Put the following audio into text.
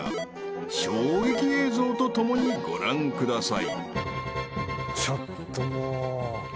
［衝撃映像とともにご覧ください］